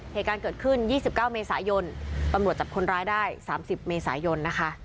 เหตุการณ์เกิดขึ้น๒๙เมษายนตำรวจจับคนร้ายได้๓๐เมษายนนะคะ